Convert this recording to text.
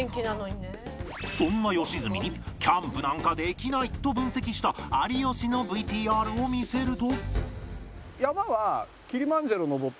そんな良純にキャンプなんかできないと分析した有吉の ＶＴＲ を見せると